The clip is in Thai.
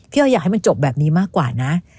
อ้อยอยากให้มันจบแบบนี้มากกว่านะ